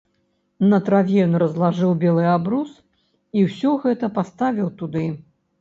На траве ён разлажыў белы абрус і ўсё гэта паставіў туды.